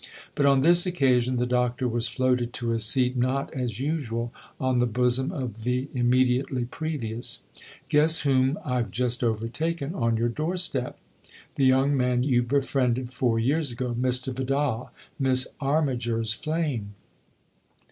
But on this occasion the Doctor was floated to a seat not, as usual, on the bosom of the immediately previous. " Guess whom I've just overtaken on your door step. The young man you befriended four years ago Mr. Vidal, Miss Armiger's flame